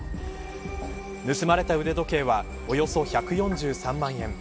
盗まれた腕時計はおよそ１４３万円。